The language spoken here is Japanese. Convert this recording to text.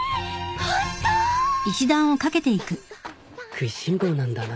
食いしん坊なんだな。